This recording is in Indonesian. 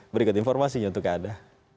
berikut informasinya untuk anda